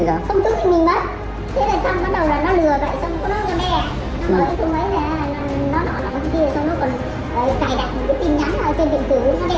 nó nói cái thông ấy là nó đỏ là bất kỳ rồi xong nó còn cài đặt những tin nhắn ở trên điện tử